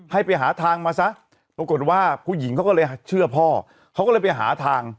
ให้ไปหาทางมาซะปรากฏว่าผู้หญิงเขาก็เลยเชื่อพ่อเขาก็เลยไปหาทาง